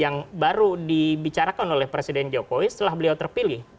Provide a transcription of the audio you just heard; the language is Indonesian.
yang baru dibicarakan oleh presiden jokowi setelah beliau terpilih